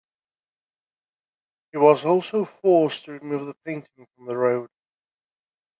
He was also forced to remove the painting from the road.